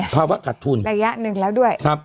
ภาวะขัดทุนระยะหนึ่งแล้วด้วย